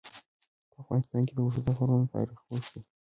په افغانستان کې د اوږده غرونه تاریخ اوږد دی.